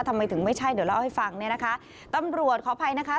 ทำไมถึงไม่ใช่เดี๋ยวเล่าให้ฟังเนี่ยนะคะตำรวจขออภัยนะคะ